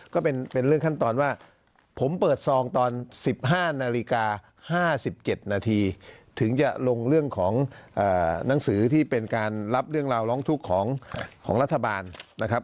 ก็เป็นเรื่องขั้นตอนว่าผมเปิดซองตอน๑๕นาฬิกา๕๗นาทีถึงจะลงเรื่องของหนังสือที่เป็นการรับเรื่องราวร้องทุกข์ของรัฐบาลนะครับ